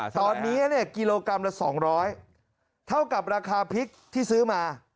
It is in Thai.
ตอนนี้กิโลกรัมละ๒๐๐เท่ากับราคาพริกที่ซื้อมา